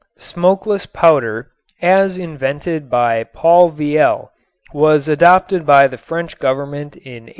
Smokeless powder as invented by Paul Vieille was adopted by the French Government in 1887.